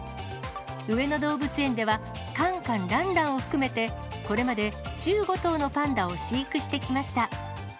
上野動物園では、カンカン、ランランを含めて、これまで１５頭のパンダを飼育してきました。